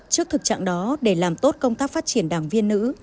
trước thực trạng đó để làm tốt công tác phát triển đảng viên nữ